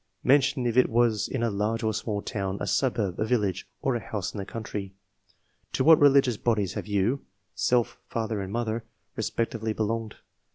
Mention if it was in a large or small town, a suburb, a village, or a house in the country. To wliat religious bodies have you (self, father and mother) respectively belonged